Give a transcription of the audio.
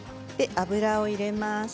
油を入れます。